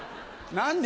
何で！